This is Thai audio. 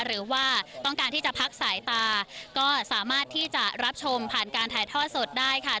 หรือว่าต้องการที่จะพักสายตาก็สามารถที่จะรับชมผ่านการถ่ายทอดสดได้ค่ะ